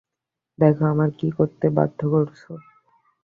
দেখো আমাকে কী করতে বাধ্য করেছো।